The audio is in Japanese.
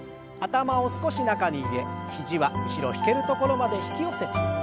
頭を少し中に入れ肘は後ろ引ける所まで引き寄せて。